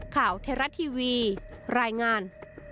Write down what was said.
ข่าวเทราะทีวีรายงาน